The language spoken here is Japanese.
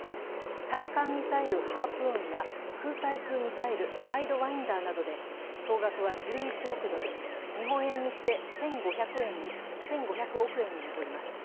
対艦ミサイル、ハープーンや空対空ミサイル、サイドワインダーなどで、総額は１１億ドル、日本円にして１５００億円に上ります。